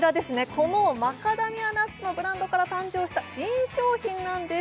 このマカダミアナッツのブランドから誕生した新商品なんです